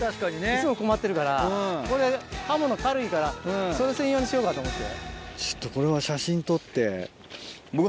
いつも困ってるからこれ刃物軽いからそれ専用にしようかと思って。